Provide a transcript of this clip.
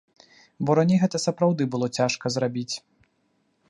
Бо раней гэта сапраўды было цяжка зрабіць.